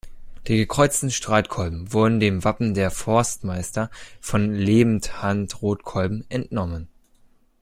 Die gekreuzten Streitkolben wurden dem Wappen der Forstmeister von Lebenhan-Rotenkolben entnommen.